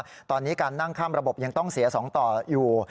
ตอนนี้การนั่งข้ามระบบยังต้องเสีย๒ต่ออยู่